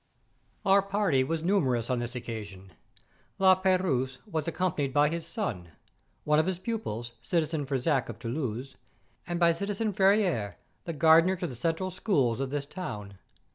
Our party was numerous on this occasion. La Peyrouse was accompanied by his son, one of his pupils, citizen hVizac of Toulouse, and by citizen Ferri^re, the gardener to the central schools of this town.